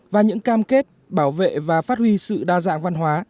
và những cam kết bảo vệ và phát huy sự đa dạng văn hóa